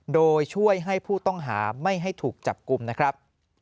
โดยช่วยให้ผู้ต้องหาไม่ให้ถูกจับกลุ่มนะครับ